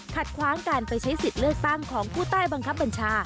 คว้างการไปใช้สิทธิ์เลือกตั้งของผู้ใต้บังคับบัญชา